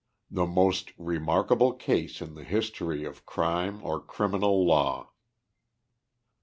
* THE MOST REMARKABLE CASE IN THE HISTORY OF CRIME OR CRIMINAL LAW.